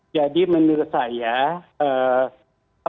jadi menurut saya